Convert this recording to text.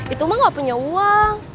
itu mah gak punya uang